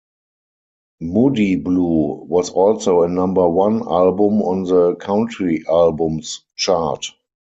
"Moody Blue" was also a number one album on the Country Albums chart.